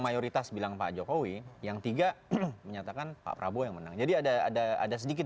mayoritas bilang pak jokowi yang tiga menyatakan pak prabowo yang menang jadi ada ada ada sedikit